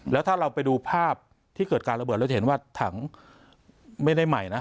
แล้วถ้าเราไปดูภาพที่เกิดการระเบิดเราจะเห็นว่าถังไม่ได้ใหม่นะ